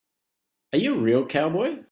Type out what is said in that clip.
Are you a real cowboy?